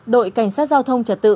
đội cảnh sát giao thông trật tự